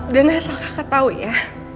dan asal kakak tau ya